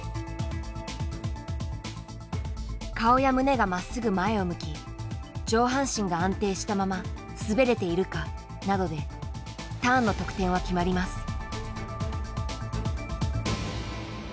顔や胸がまっすぐ前を向き上半身が安定したまま滑れているかなどでターンの得点は決まります。